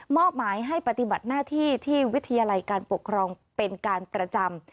อบหมายให้ปฏิบัติหน้าที่ที่วิทยาลัยการปกครองเป็นการประจำ